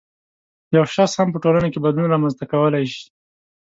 یو شخص هم په ټولنه کې بدلون رامنځته کولای شي